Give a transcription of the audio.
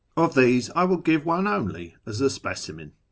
Of Uiesi I will give one only as a specimen.